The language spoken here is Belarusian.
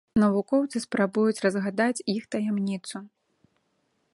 Навукоўцы спрабуюць разгадаць іх таямніцу.